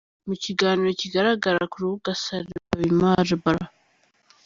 Mu kiganiro kigaragara ku rubuga salmaibra.